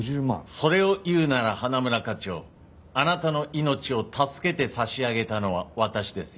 それを言うなら花村課長あなたの命を助けて差し上げたのは私ですよ。